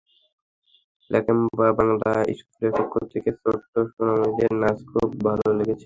Lakemba Bangla স্কুলের পক্ষ থেকে ছোট্ট সোনামণিদের নাচ খুব ভালো লেগেছে।